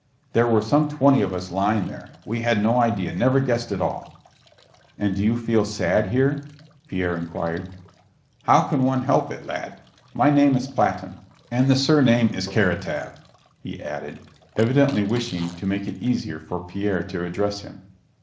There were some twenty of us lying there. We had no idea, never guessed at all." "And do you feel sad here?" Pierre inquired. "How can one help it, lad? My name is Platón, and the surname is Karatáev," he added, evidently wishing to make it easier for Pierre to address him.